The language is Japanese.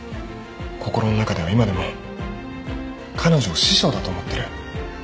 心の中では今でも彼女を師匠だと思ってる。